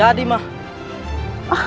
ini buku tabungan haji